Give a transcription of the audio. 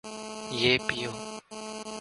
یہ پیو